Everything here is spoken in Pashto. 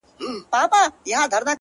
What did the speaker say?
• گراني اوس دي سترگي رانه پټي كړه ـ